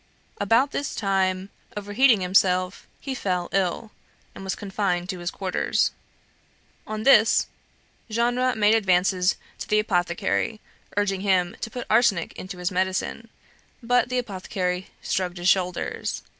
About this time, overheating himself, he fell ill, and was confined to his quarters. On this, Genre made advances to the apothecary, urging him to put arsenic into his medicine; but the apothecary shrugged his shoulders.